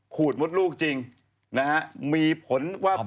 ขูดมดลูกจริงมีผลว่า